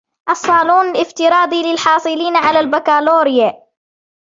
الصالون الافتراضي للحاصلين على الباكالوريا